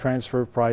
vấn đề phát triển